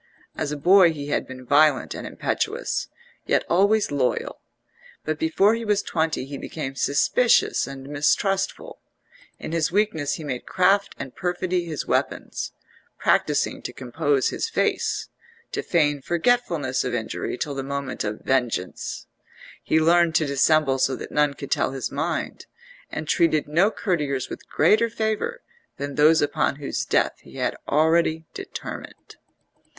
As a boy he had been violent and impetuous, yet always loyal: but before he was twenty he became suspicious and mistrustful; in his weakness he made craft and perfidy his weapons, practising to compose his face, to feign forgetfulness of injury till the moment of vengeance; he learned to dissemble so that none could tell his mind, and treated no courtiers with greater favour than those upon whose death he had already determined.